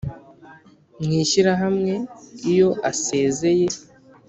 mw ishyirahamwe iyo Asezeye